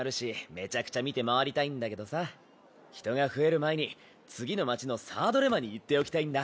めちゃくちゃ見て回りたいんだけどさ人が増える前に次の街のサードレマに行っておきたいんだ。